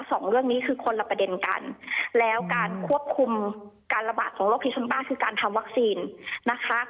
สองเรื่องนี้คือคนละประเด็นกันแล้วการควบคุมการระบาดของโรคพิซซุมต้าคือการทำวัคซีนนะคะ